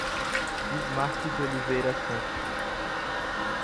Bismarque de Oliveira Santos